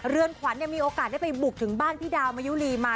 เรือนขวัญมีโอกาสได้ไปบุกถึงบ้านพี่ดาวมายุรีมา